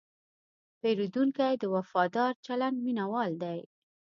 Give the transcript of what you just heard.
پیرودونکی د وفادار چلند مینهوال دی.